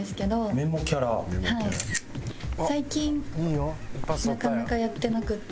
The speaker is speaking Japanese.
最近なかなかやってなくって。